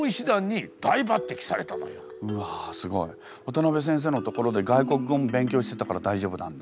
渡部先生の所で外国語も勉強してたから大丈夫なんだ。